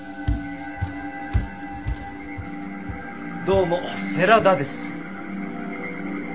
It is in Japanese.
どうも世良田です。